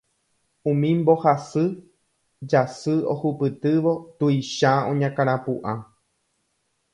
Umi mbohasy jasy ohupytývo tuicha oñakãrapu'ã.